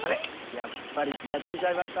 やっぱりきがついちゃいました？